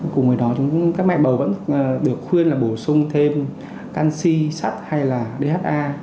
cùng với đó các mẹ bầu vẫn được khuyên là bổ sung thêm canxi sắt hay là dha